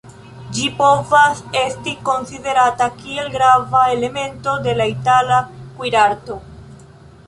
Ĝi povas esti konsiderata kiel grava elemento de la Itala kuirarto.